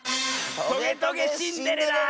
「トゲトゲ・シンデレラ」！